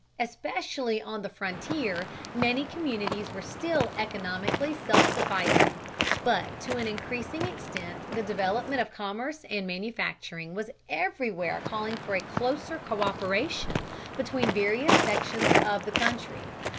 Especially on the frontier many communities were still economically self sufficing, but to an increasing extent the development of commerce and manufacturing was everywhere calling for a closer co÷peration between various sections of the country.